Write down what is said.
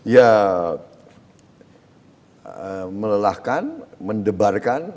ya melelahkan mendebarkan